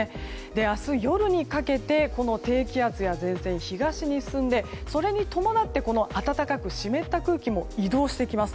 明日夜にかけて、低気圧や前線が東に進んで、それに伴って暖かく湿った空気も移動してきます。